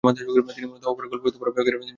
তিনি মূলত তার হরর গল্প ও উপন্যাসের জন্য বিখ্যাত।